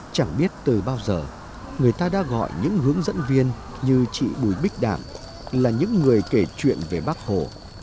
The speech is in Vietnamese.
chẳng biết từ bao giờ người ta đã gọi những hướng dẫn viên như chị bùi bích đảm là những người kể chuyện về bác hồ